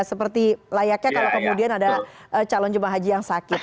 seperti layaknya kalau kemudian ada calon jemaah haji yang sakit